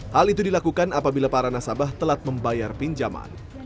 hal itu dilakukan apabila para nasabah telat membayar pinjaman